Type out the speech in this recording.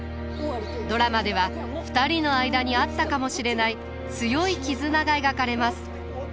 ドラマでは２人の間にあったかもしれない強い絆が描かれます。